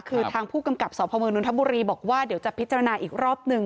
คือทางผู้กำกับสพมนทบุรีบอกว่าเดี๋ยวจะพิจารณาอีกรอบหนึ่ง